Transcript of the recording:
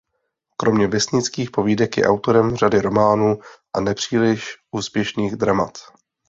Kromě vesnických povídek je autorem řady románů a nepříliš úspěšných dramat.